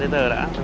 chị đừng có làm sao